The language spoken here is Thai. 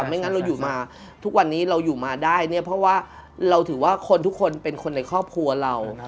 ไม่งั้นเราอยู่มาทุกวันนี้เราอยู่มาได้เนี่ยเพราะว่าเราถือว่าคนทุกคนเป็นคนในครอบครัวเรา